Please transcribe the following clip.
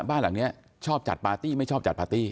บ้านหลังนี้ชอบจัดปาร์ตี้ไม่ชอบจัดปาร์ตี้